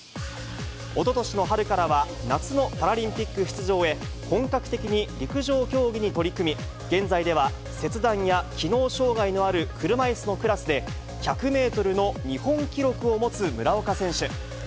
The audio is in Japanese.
おととしの春からは、夏のパラリンピック出場へ、本格的に陸上競技に取り組み、現在では切断や機能障がいのある車いすのクラスで、１００メートルの日本記録を持つ村岡選手。